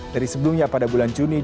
dari sebelumnya pada bulan juni